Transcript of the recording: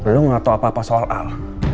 lo gak tau apa apa soal al